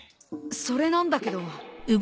それなんだけど。にゅ？